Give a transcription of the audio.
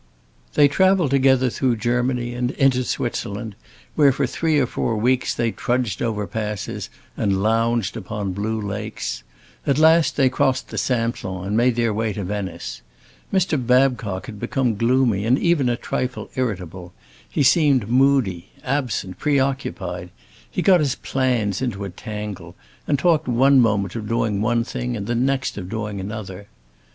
They traveled together through Germany and into Switzerland, where for three or four weeks they trudged over passes and lounged upon blue lakes. At last they crossed the Simplon and made their way to Venice. Mr. Babcock had become gloomy and even a trifle irritable; he seemed moody, absent, preoccupied; he got his plans into a tangle, and talked one moment of doing one thing and the next of doing another.